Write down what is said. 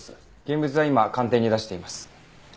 現物は今鑑定に出しています。